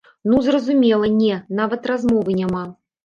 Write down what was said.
Ну, зразумела, не, нават размовы няма.